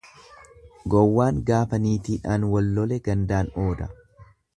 Gowwaan gaafa niitidhaan wallole gandaan ooda.